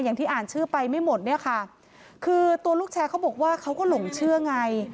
อย่างที่อ่านชื่อไปไม่หมดเนี่ยค่ะคือตัวลูกแชร์เขาบอกว่าเขาก็หลงเชื่อไง